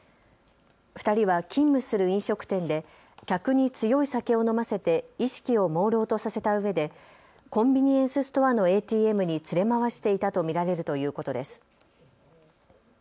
２人は勤務する飲食店で客に強い酒を飲ませて意識をもうろうとさせたうえでコンビニエンスストアのＡＴＭに連れ回していたと見られるということです。